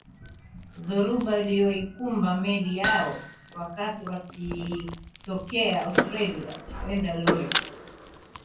Dhoruba iliyoikumba meli yao wakati wakitokea Australia kwenda Lorence